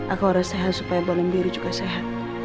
aku harus sehat supaya balem biru juga sehat